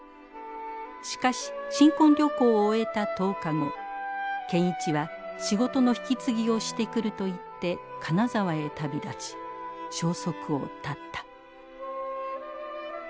しかし新婚旅行を終えた１０日後憲一は「仕事の引き継ぎをしてくる」と言って金沢へ旅立ち消息を絶った。